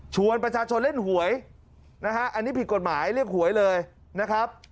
ประชาชนเล่นหวยนะฮะอันนี้ผิดกฎหมายเรียกหวยเลยนะครับ